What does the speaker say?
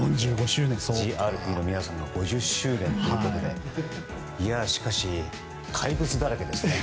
ＴＨＥＡＬＦＥＥの皆さんが５０周年ということでしかし、怪物だらけですね。